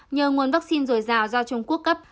nhờ nguồn vaccine rồi rào do trung quốc cấp